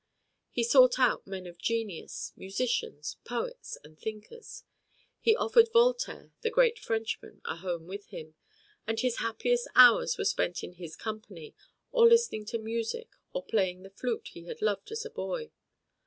He sought out men of genius, musicians, poets, and thinkers. He offered Voltaire, the great Frenchman, a home with him, and his happiest hours were spent in his company, or listening to music, or playing the flute he had loved as a boy.